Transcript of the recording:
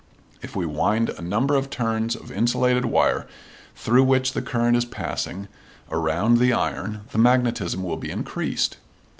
If we wind a number of turns of insulated wire through which the current is passing around the iron the magnetism will be increased.